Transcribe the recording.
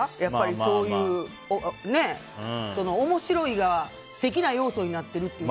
そういう、面白いが素敵な要素になっているという。